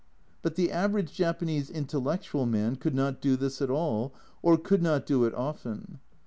But the average Japanese intellectual man could not do this at all, or could not do it often.